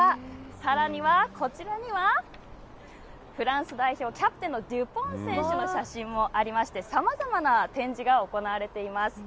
さらには、こちらには、フランス代表、キャプテンのデュポン選手の写真もありまして、さまざまな展示が行われています。